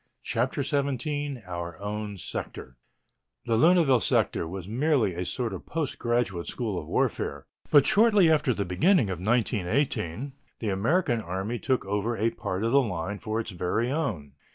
CHAPTER XVII OUR OWN SECTOR THE Lunéville sector was merely a sort of postgraduate school of warfare, but shortly after the beginning of 1918 the American Army took over a part of the line for its very own.